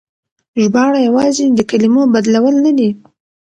ژباړه يوازې د کلمو بدلول نه دي.